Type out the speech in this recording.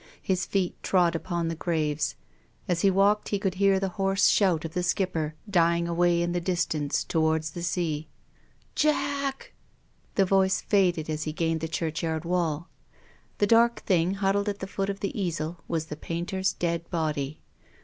His feet trod upon the graves. As he walked he could hear the hoarse shout of the skipper dying away in the distance towards the sea. " Jack !" The voice faded as he gained the churchyard wall. The dark thing huddled at the foot of the easel was the painter's dead body.